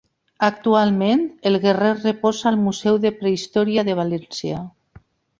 Actualment, el guerrer reposa al Museu de Prehistòria de València.